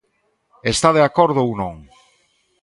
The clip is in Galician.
¿Está de acordo ou non?